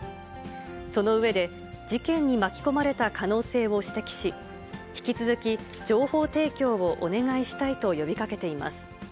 その上で、事件に巻き込まれた可能性を指摘し、引き続き情報提供をお願いしたいと呼びかけています。